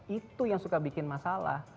itu yang suka bikin masalah